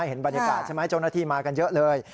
เห็นบรรยากาศใช่ไหมเจ้าหน้าที่มากันเยอะเลย